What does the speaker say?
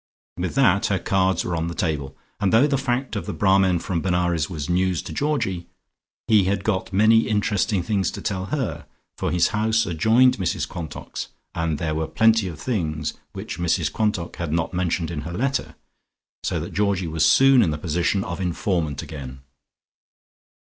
With that her cards were on the table, and though the fact of the Brahmin from Benares was news to Georgie, he had got many interesting things to tell her, for his house adjoined Mrs Quantock's and there were plenty of things which Mrs Quantock had not mentioned in her letter, so that Georgie was soon in the position of informant again.